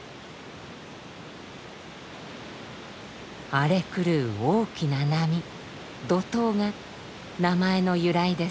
荒れ狂う大きな波怒涛が名前の由来です。